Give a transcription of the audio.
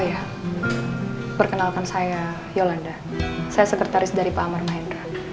saya perkenalkan saya yolanda saya sekretaris dari pak amar mahendra